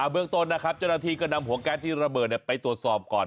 เบื้องต้นนะครับเจ้าหน้าที่ก็นำหัวแก๊สที่ระเบิดไปตรวจสอบก่อน